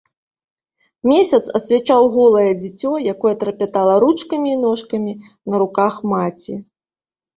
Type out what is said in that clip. Месяц асвячаў голае дзіцё, якое трапятала ручкамі і ножкамі на руках маці.